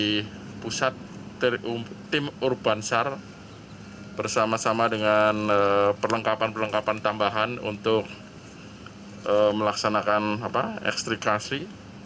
di pusat tim urban sar bersama sama dengan perlengkapan perlengkapan tambahan untuk melaksanakan ekstrikasi